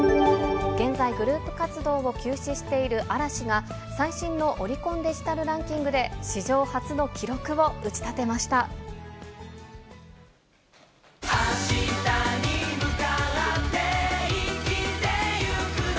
現在、グループ活動を休止している嵐が、最新のオリコンデジタルランキングで史上初の記録を打ち立てました。